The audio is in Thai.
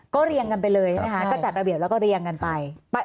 เรียงกันไปเลยใช่ไหมคะก็จัดระเบียบแล้วก็เรียงกันไป